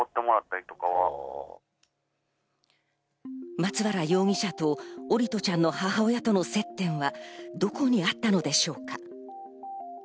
松原容疑者と桜利斗ちゃんの母親との接点は、どこにあったのでしょうか。